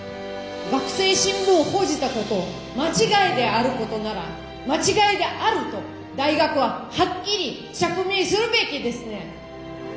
学生新聞の報じたこと間違いであることなら間違いであると大学ははっきり釈明するべきですね。